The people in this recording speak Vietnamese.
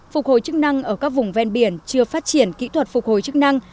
phục hồi chức năng ở các vùng ven biển chưa phát triển kỹ thuật phục hồi chức năng